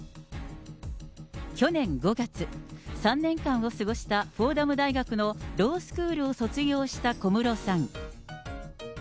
去年５月、３年間を過ごしたフォーダム大学のロースクールを卒業した小室さん。